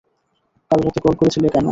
কাল রাতে কল করেছিলে কেন?